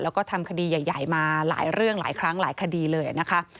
แล้วก็ทำคดีใหญ่มาหลายเรื่องหลายครั้งหลายคดีเลยนะคะ